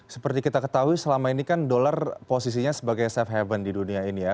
seperti kita ketahui selama ini kan dolar posisinya sebagai safe haven di dunia ini ya